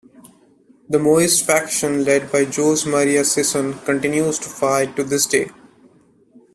The Maoist faction, led by Jose Maria Sison, continues to fight to this day.